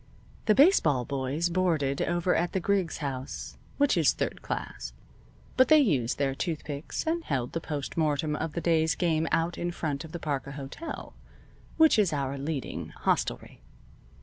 The baseball boys boarded over at the Griggs House, which is third class, but they used their tooth picks, and held the postmortem of the day's game out in front of the Parker Hotel, which is our leading hostelry.